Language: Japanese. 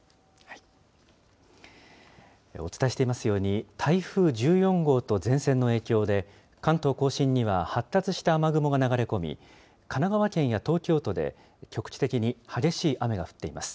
お伝えしていますように、台風１４号と前線の影響で、関東甲信には発達した雨雲が流れ込み、神奈川県や東京都で局地的に激しい雨が降っています。